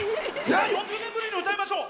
４０年ぶりに歌いましょう！